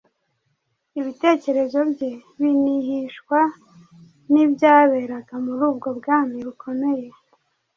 ibitekerezo bye binihishwa n’ibyaberaga muri ubwo bwami bukomeye.